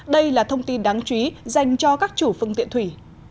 đây là thông tin đáng chú ý dành cho các chủ phương tiện thủy